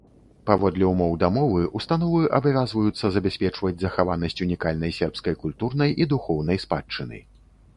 Паводле ўмоў дамовы ўстановы абавязваюцца забяспечваць захаванасць унікальнай сербскай культурнай і духоўнай спадчыны.